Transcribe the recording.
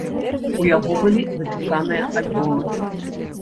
У яго былі запісаныя альбомы.